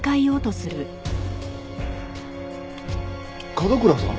角倉さん？